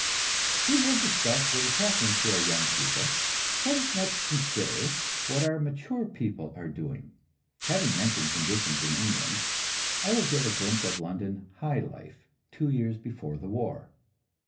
We have discussed what is happening to our young people; let us next consider what our mature people are doing. Having mentioned conditions in England, I will give a glimpse of London "high life" two years before the war.